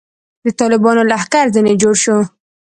د طالبانو لښکر ځنې جوړ شو.